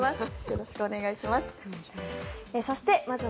よろしくお願いします。